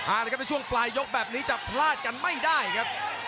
เอาละครับในช่วงปลายยกแบบนี้จะพลาดกันไม่ได้ครับ